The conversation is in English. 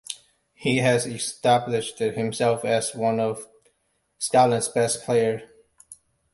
He has established himself as one of Scotland's best players.